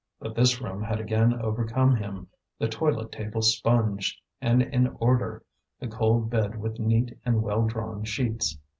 But this room had again overcome him, the toilet table sponged and in order, the cold bed with neat and well drawn sheets.